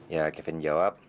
ya kevin jawab